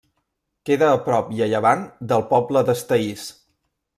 Queda a prop i a llevant del poble d'Estaís.